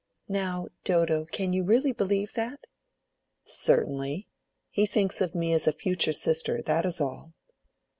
"Now, Dodo, can you really believe that?" "Certainly. He thinks of me as a future sister—that is all."